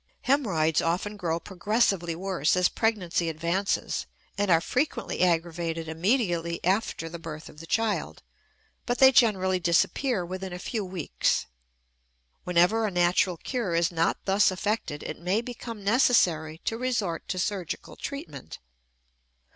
Hemorrhoids often grow progressively worse as pregnancy advances, and are frequently aggravated immediately after the birth of the child; but they generally disappear within a few weeks. Whenever a natural cure is not thus effected, it may become necessary to resort to surgical treatment.